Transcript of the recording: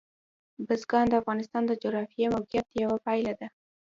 بزګان د افغانستان د جغرافیایي موقیعت یوه پایله ده.